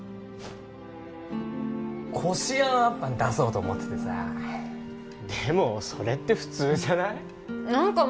こしあんあんぱん出そうと思っててさでもそれって普通じゃない？